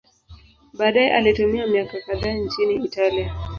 Baadaye alitumia miaka kadhaa nchini Italia.